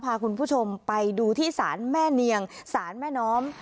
พาคุณผู้ชมไปดูที่ศาลแม่เนียงศาลแม่น้อม